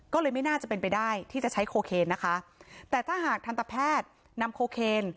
ก็เลยไม่น่าจะเป็นไปได้ที่จะใช้โคเคนนะคะแต่ถ้าหากทันตแพทย์นำโคเคน